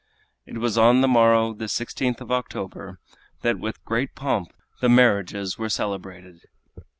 It was on the morrow, the 16th of October, that with great pomp the marriages were celebrated.